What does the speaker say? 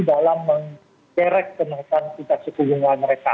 dalam mengerik kenaikan kinerja keunggulan mereka